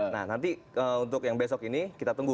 nah nanti untuk yang besok ini kita tunggu